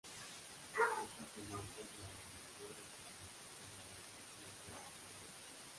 Esta comarca es la de mayor especialización agraria dentro de la provincia.